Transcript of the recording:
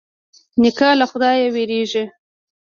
نیکه له خدايه وېرېږي.